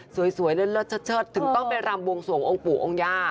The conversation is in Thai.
สวยเลิศเชิดถึงต้องไปรำบวงสวงองค์ปู่องค์ย่า